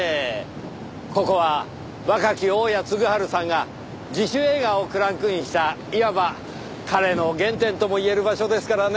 ここは若き大屋嗣治さんが自主映画をクランクインしたいわば彼の原点とも言える場所ですからね。